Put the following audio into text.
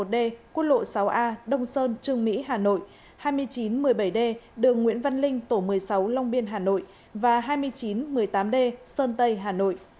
hai nghìn chín trăm linh bảy d quốc lộ sáu a đông sơn trường mỹ hà nội hai nghìn chín trăm linh bảy d đường nguyễn văn linh tổ một mươi sáu long biên hà nội và hai nghìn chín trăm linh tám d sơn tây hà nội